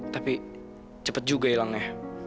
tapi cepet juga hilangnya